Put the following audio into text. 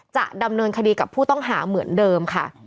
จะดำเนินคดีกับผู้ต้องหาเหมือนเดิมค่ะ